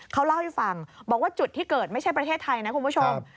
เขาเล่าให้ฟังบอกว่าจุดที่เกิดไม่ใช่ประเทศไทยนะคุณผู้ชม